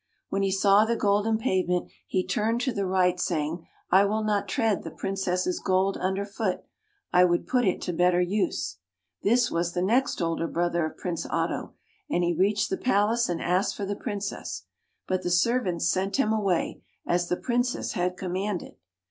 When he saw the golden pavement he turned to the right, saying, '' I will not tread the Princess' gold underfoot. I would put it to better use." This was the next older brother of Prince Otto. And he reached the palace and asked for the Princess. But the servants sent him away, as the Princess had commanded.